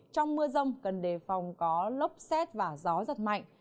trong mưa rông cần đề phòng có lốc xét và gió giật mạnh